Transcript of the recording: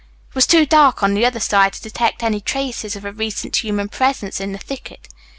It was too dark on the other side to detect any traces of a recent human presence in the thicket.